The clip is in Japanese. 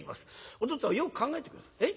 お父っつぁんよく考えて下さい。